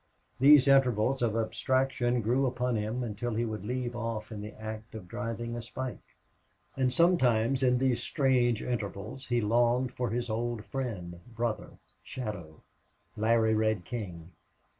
These intervals of abstraction grew upon him until he would leave off in the act of driving a spike. And sometimes in these strange intervals he longed for his old friend, brother, shadow Larry Red King.